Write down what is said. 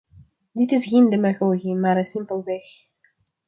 Dit is geen demagogie, maar simpelweg...